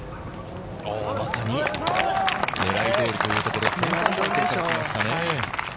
まさに狙い通りというところですね。